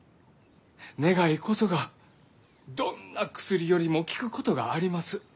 願いこそがどんな薬よりも効くことがあります。